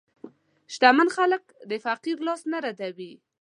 شتمن خلک د فقیر لاس نه ردوي.